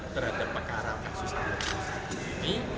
terhadap pekara khusus yang diperlukan ini